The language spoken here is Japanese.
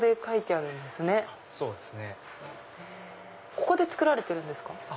ここで作られてるんですか？